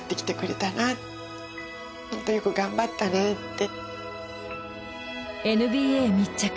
本当よく頑張ったねって。